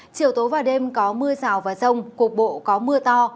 chiều tối và đêm có mưa rào và rông cục bộ có mưa to